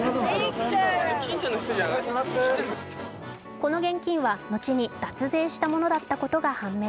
この現金は、後に脱税したものだったことが判明。